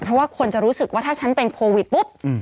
เพราะว่าคนจะรู้สึกว่าถ้าฉันเป็นโควิดปุ๊บ